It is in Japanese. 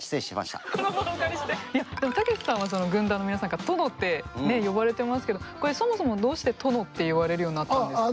いやでもたけしさんは軍団の皆さんから殿って呼ばれてますけどこれそもそもどうして殿って言われるようになったんですか？